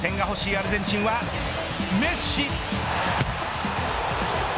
アルゼンチンはメッシ。